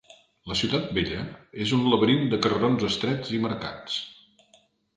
La ciutat vella és un laberint de carrerons estrets i mercats.